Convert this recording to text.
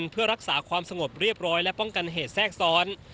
เพื่อรักษาความสงบเรียบร้อยและป้องกันเหตุแทรกซ้อน